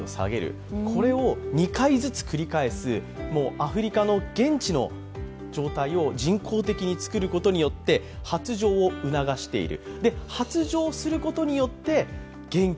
アフリカの現地の状態を人工的に作ることによって発情を促している。